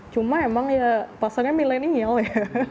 cuma emang ya pasarnya milenial ya